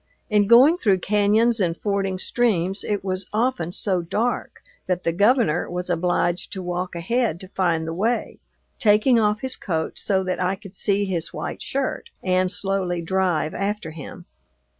In going through cañons and fording streams it was often so dark that the Governor was obliged to walk ahead to find the way, taking off his coat so that I could see his white shirt and slowly drive after him.